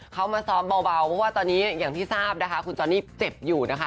เขามาซ้อมเบาเพราะว่าตอนนี้อย่างที่ทราบนะคะคุณจอนนี่เจ็บอยู่นะคะ